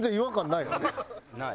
ない。